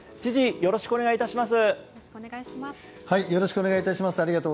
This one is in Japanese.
よろしくお願いします。